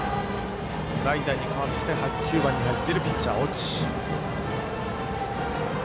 代打に変わって９番に入っているピッチャー、越智。